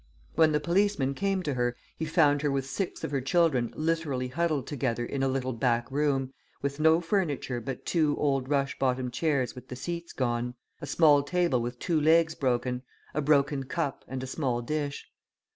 When the policeman came to her, he found her with six of her children literally huddled together in a little back room, with no furniture but two old rush bottomed chairs with the seats gone, a small table with two legs broken, a broken cup, and a small dish.